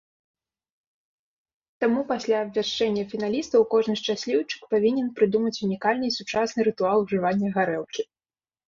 Таму пасля абвяшчэння фіналістаў, кожны шчасліўчык павінен прыдумаць унікальны і сучасны рытуал ужывання гарэлкі.